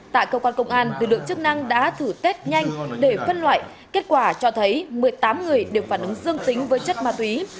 tại cơ quan công an lực lượng chức năng đã thử test nhanh để phân loại kết quả cho thấy một mươi tám người đều phản ứng dương tính với chất ma túy